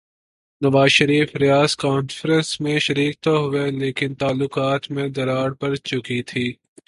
نواز Sharif Riyadh conference میں شریک تو ہوئے لیکن تعلقات میں دراڑ پڑ چکی تھی۔